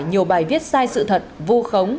nhiều bài viết sai sự thật vô khống